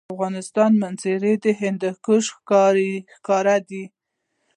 د افغانستان په منظره کې هندوکش ښکاره ده.